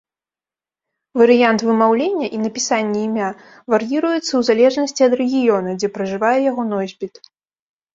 Варыянт вымаўлення і напісанні імя вар'іруецца ў залежнасці ад рэгіёна, дзе пражывае яго носьбіт.